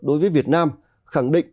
đối với việt nam khẳng định